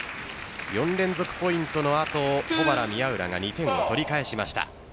４連続ポイントの後保原・宮浦が２点を取り返しました。